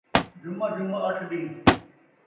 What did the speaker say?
جمعہ جمعہ اٹھ ݙین٘ہہ